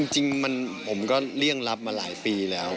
จริงผมก็เลี่ยงรับมาหลายปีแล้ว